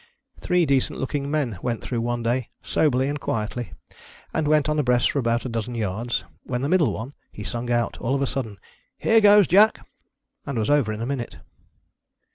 Three decent looking men went through one day, soberly and quietly, and went on abreast for about a dozen yards : when the middle one, he sung out, all of a sudden, " Here goes, Jack !" and was over in a minute.